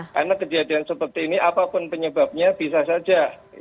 karena kejadian seperti ini apapun penyebabnya bisa saja bisa dikawal